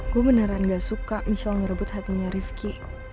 gue beneran gak suka michelle ngerebut hatinya rifqi